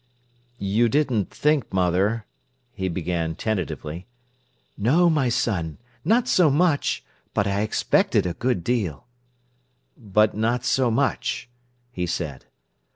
"You didn't think, mother—" he began tentatively. "No, my son—not so much—but I expected a good deal." "But not so much," he said.